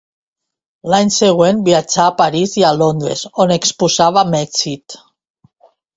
L'any següent viatja a París i a Londres, on exposa amb èxit.